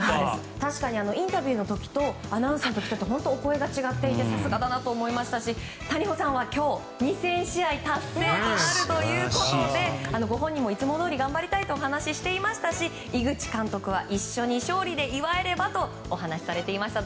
確かにインタビューの時とアナウンスの時のお声が違っていてさすがだなと思いましたし谷保さんは今日２０００試合達成となるということで、ご本人はいつもどおり頑張りたいと話していましたし井口監督は一緒に勝利で祝えればとお話しされていました。